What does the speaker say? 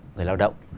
người lao động